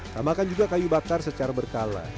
samakan juga kayu bakar secara berkala